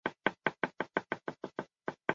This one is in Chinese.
欧洲也曾用野飞燕草治疗一些疾病。